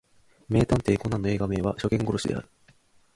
名探偵コナンの映画名は初見殺しである